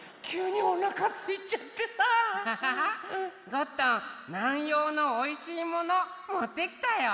ゴットン南陽のおいしいものもってきたよ！